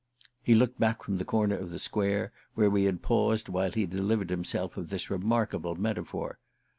He looked back from the corner of the square, where we had paused while he delivered himself of this remarkable metaphor.